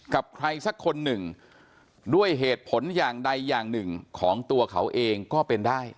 กับใครสักคนหนึ่งด้วยเหตุผลอย่างใดอย่างหนึ่งของตัวเขาเองก็เป็นได้